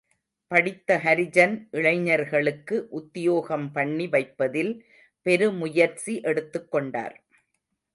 படித்த ஹரிஜன் இளைஞர்களுக்கு உத்யோகம் பண்ணி வைப்பதில் பெருமுயற்சி எடுத்துக் கொண்டார்.